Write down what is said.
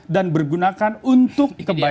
dan bergunakan untuk kebaikan